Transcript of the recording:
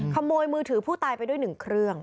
ขโมยมือถือผู้ตายไปด้วย๑เครื่อง